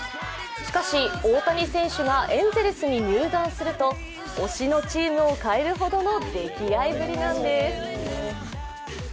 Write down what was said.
しかし、大谷選手がエンゼルスに入団すると推しのチームを変えるほどの溺愛ぶりなんです。